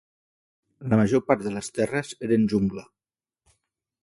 La major part de les terres eren jungla.